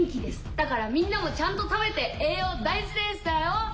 だからみんなもちゃんと食べて栄養大事です！だよ。